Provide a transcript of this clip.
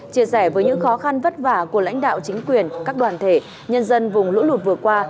chia sẻ với những khó khăn vất vả của lãnh đạo chính quyền các đoàn thể nhân dân vùng lũ lụt vừa qua